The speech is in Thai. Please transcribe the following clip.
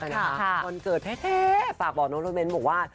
วันเกิดแท้ฝากบอกน้องรถเบ้นบอกว่า